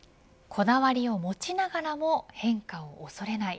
こだわりを持ちながらも変化を恐れない。